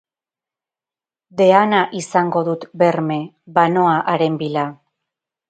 Deana izango dut berme, banoa haren bila.